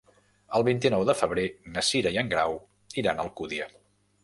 El vint-i-nou de febrer na Cira i en Grau iran a Alcúdia.